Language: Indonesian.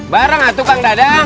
barang atuk kang dadang